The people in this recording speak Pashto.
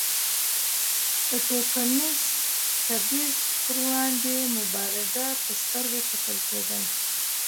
د توکمیز تبیض پر وړاندې مبارز په سترګه کتل کېدل.